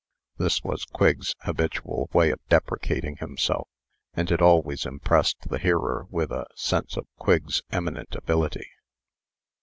This was Quigg's habitual way of depreciating himself, and it always impressed the hearer with a sense of Quigg's eminent ability.